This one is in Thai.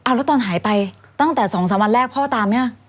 พศ๕๘อ๋อแล้วตอนหายไปตั้งแต่๒๓วันแรกพ่อตามเนี่ย